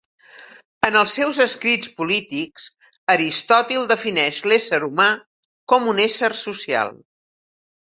En els seus escrits polítics, Aristòtil defineix l'ésser humà com un ésser social.